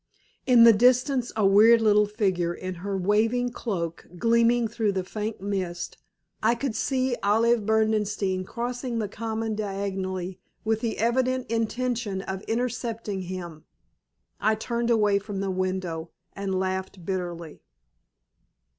In the distance, a weird little figure in her waving cloak gleaming through the faint mist, I could see Olive Berdenstein crossing the common diagonally with the evident intention of intercepting him. I turned away from the window and laughed bitterly.